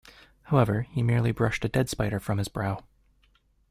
However, he merely brushed a dead spider from his brow.